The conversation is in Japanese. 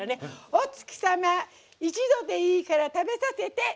「お月様一度でいいから食べさせて」。